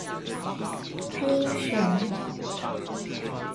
黑錢